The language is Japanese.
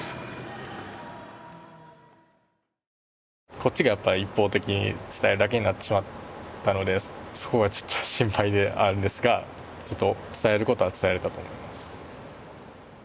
こっちがやっぱり一方的に伝えるだけになってしまったのでそこはちょっと心配ではあるんですが伝えることは伝えられたと思います。